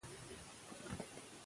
د تعليم حق د ټولو لپاره دی.